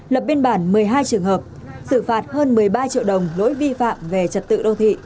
lập biên bản một mươi hai trường hợp xử phạt hơn một mươi ba triệu đồng lỗi vi phạm về trật tự đô thị